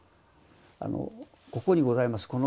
ここにございます